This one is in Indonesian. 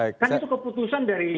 kan itu keputusan dari